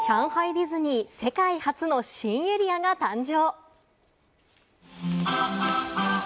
ディズニー、世界初の新エリアが誕生！